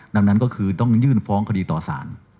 ดังนั้นก็คือต้องยื่นฟ้องคดีต่อสาร